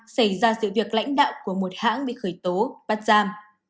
xảy ra sự việc lãnh đạo của một hãng bị khởi tố bắt giam